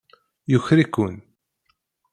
Yuker-iken.